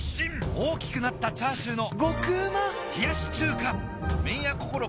大きくなったチャーシューの麺屋こころ